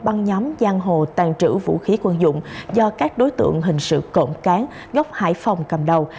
băng nhóm giang hồ tàn trữ vũ khí quân dụng do các đối tượng hình sự cộng cán gốc hải phòng cầm đầu